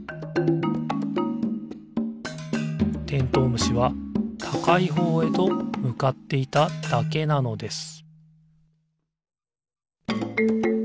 虫はたかいほうへとむかっていただけなのです